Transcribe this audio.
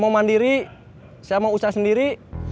mau mandiri saya mau usaha sendiri